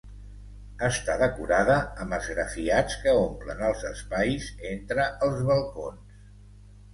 Està decorada amb esgrafiats que omplen els espais entre els balcons.